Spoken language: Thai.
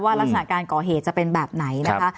ลักษณะการก่อเหตุจะเป็นแบบไหนนะคะ